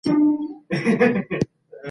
د بهرنیو پالیسي جوړښت تل روښانه نه وي.